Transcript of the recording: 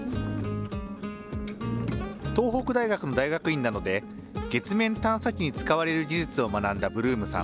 東北大学の大学院などで月面探査機に使われる技術を学んだブルームさん。